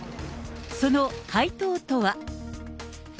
その回答とは。